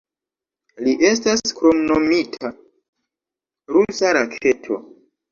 Li estas kromnomita "Rusa Raketo".